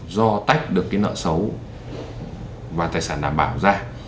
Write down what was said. do tách được cái nợ xấu và tài sản đảm bảo ra